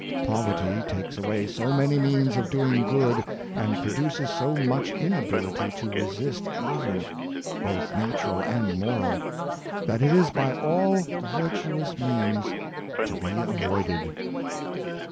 Poverty takes away so many means of doing good, and produces so much inability to resist evil, both natural and moral, that it is by all virtuous means to be avoided.